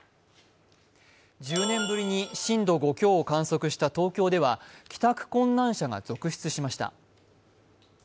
１０年ぶりに震度５強を観測した東京では帰宅困難者が続出しました。